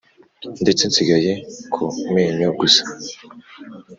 ndetse nsigaye ku menyo gusa